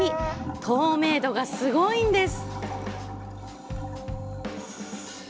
透明度がすごいんです。